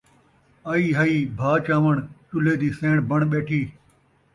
آئی ہائی بھا چاوݨ ، چُلھے دی سئیݨ بݨ ٻیٹھی